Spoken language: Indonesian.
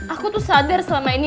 aku tuh sadar selama ini